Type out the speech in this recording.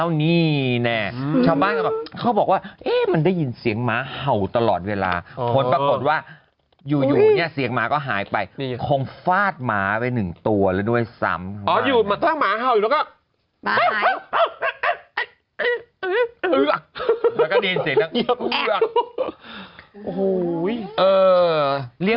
แล้วก็ได้ยินเสียงแล้วโอ้โหเออเลี้ยงไว้ทำกระเป๋าเหรอเออ